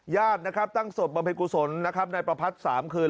ญาตินะครับตั้งสดประเภทกุศลนะครับในประพัทธ์๓คืน